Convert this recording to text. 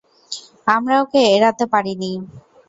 আমরা ওকে এড়াতে পারিনি।